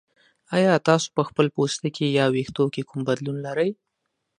ایا تاسو په خپل پوستکي یا ویښتو کې کوم بدلون لرئ؟